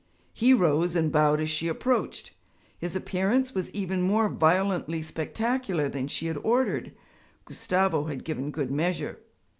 He rose and bowed as she approached. His appearance was even more violently spectacular than she had ordered; Gustavo had given good measure.